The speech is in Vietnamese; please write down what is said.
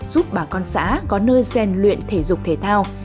giúp bà con xã có nơi gian luyện thể dục thể thao